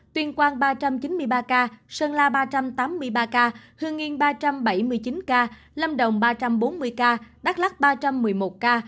tuyên quang ba trăm chín mươi ba ca sơn la ba trăm tám mươi ba ca hương yên ba trăm bảy mươi chín ca lâm đồng ba trăm bốn mươi ca đắk lắc ba trăm một mươi một ca